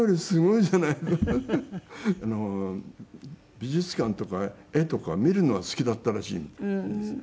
美術館とか絵とか見るのは好きだったらしいんですね。